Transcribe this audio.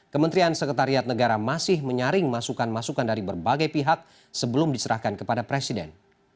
kementerian sekretariat negara masih menyaring masukan masukan dari berbagai pihak sebelum diserahkan kepada presiden